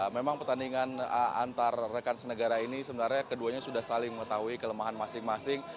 memang pertandingan antar rekan senegara ini sebenarnya keduanya sudah saling mengetahui kelemahan masing masing